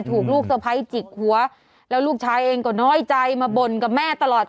ถูกลูกสะพ้ายจิกหัวแล้วลูกชายเองก็น้อยใจมาบ่นกับแม่ตลอด